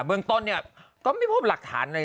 เมืองต้นเนี่ยก็ไม่พบหลักฐานอะไร